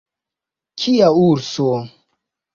Kia urso!